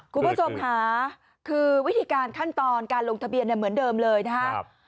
คุณผู้ชมค่ะคือวิธีการขั้นตอนการลงทะเบียนเหมือนเดิมเลยนะครับ